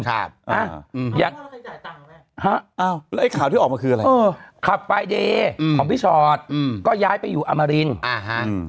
แล้วไอ้ข่าวที่ออกมาคืออะไรคลับปลายเดย์ของพี่สอดก็ย้ายไปอยู่อมาริน